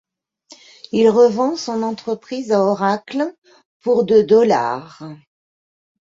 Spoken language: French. Il revend son entreprise à Oracle pour de dollars.